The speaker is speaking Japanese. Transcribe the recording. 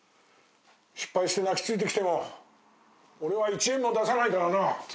失敗して泣き付いてきても俺は一円も出さないからな。